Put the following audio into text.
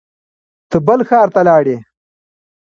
ته بل ښار ته لاړې